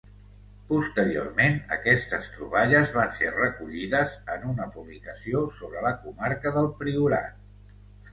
Posteriorment, aquestes troballes van ser recollides en una publicació sobre la comarca del Priorat.